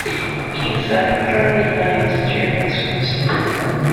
Keyser apparently died during this crossing.